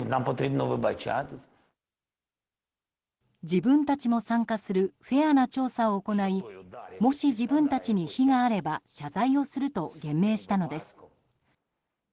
自分たちも参加するフェアな調査を行いもし自分たちに非があれば謝罪をすると言明したのです。